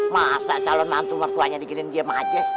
masa calon mantu mertuanya digerim diem aja